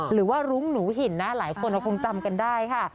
หรือว่ารุ้งหนูหินนะหลายคนก็คงจำกันได้ค่ะ